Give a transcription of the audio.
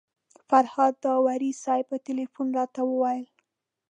فرهاد داوري صاحب په تیلفون راته وویل.